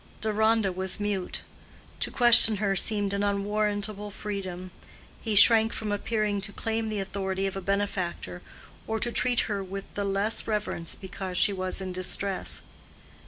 Deronda was mute: to question her seemed an unwarrantable freedom; he shrank from appearing to claim the authority of a benefactor, or to treat her with the less reverence because she was in distress.